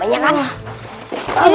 makanya aku sembunyi di barang ini